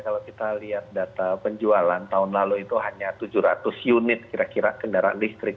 kalau kita lihat data penjualan tahun lalu itu hanya tujuh ratus unit kira kira kendaraan listrik